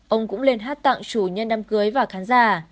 ông cũng lên hát tặng chủ nhân đám cưới và khán giả